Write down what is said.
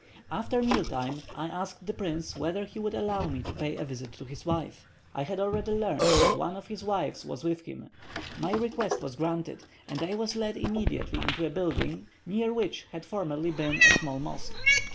After meal time, I asked the prince whether he would allow me to pay a visit to his wife, I had already learned that one of his wives was with him. My request was granted, and I was led immediately into a building, near which had formerly been a small mosque.